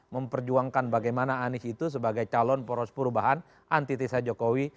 memperjuangkan bagaimana anies itu sebagai calon poros perubahan anti tisa jokowi